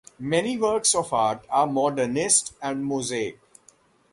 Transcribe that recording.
Many works of art are modernist and mosaic.